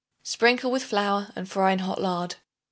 Sprinkle with flour and fry in hot lard.